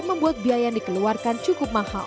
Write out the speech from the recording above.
membuat biaya yang dikeluarkan cukup mahal